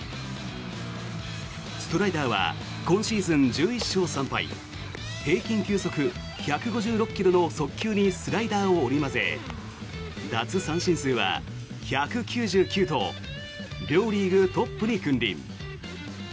ストライダーは今シーズン１１勝３敗平均球速１５６ｋｍの速球にスライダーを織り交ぜ奪三振数は１９９と両リーグトップに君臨。